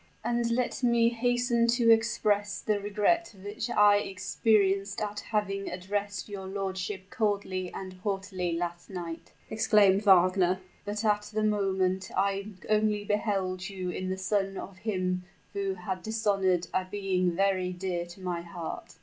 "And let me hasten to express the regret which I experienced at having addressed your lordship coldly and haughtily last night," exclaimed Wagner. "But, at the moment, I only beheld in you the son of him who had dishonored a being very dear to my heart."